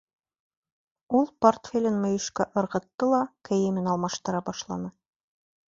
Ул портфелен мөйөшкә ырғытты ла кейемен алмаштыра башланы.